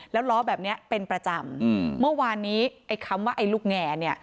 แล้วล้อแบบเนี้ยเป็นประจำอืมเมื่อวานนี้ไอ้คำว่าไอ้ลูกแงเนี่ย